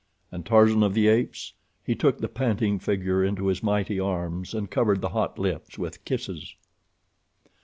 And Tarzan of the Apes? He took the panting figure into his mighty arms, and covered the hot lips with kisses.